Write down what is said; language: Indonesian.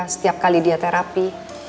setiap kali dia terapi